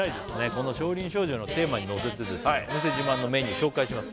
この「少林少女」のテーマにのせてお店自慢のメニュー紹介します